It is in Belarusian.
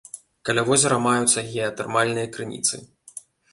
Каля возера маюцца геатэрмальныя крыніцы.